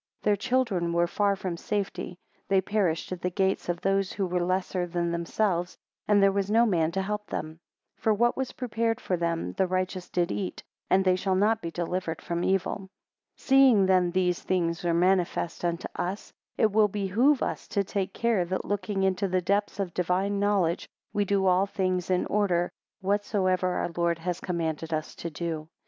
11 Their children were far from safety, they perished at the gates of those who were lesser than themselves: and there was no man to help them. 12 For what was prepared for them, the righteous did eat; and they shall not be delivered from evil. 13 Seeing then these things are manifest unto us, it will behove us to take care that looking into the depths of the divine knowledge, we do all things in order, whatsoever our Lord has commanded us to do.